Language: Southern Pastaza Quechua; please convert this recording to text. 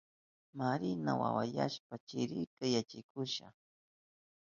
Marina wawayashpan chirika yaykushka.